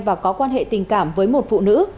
và có quan hệ tình cảm với một phụ nữ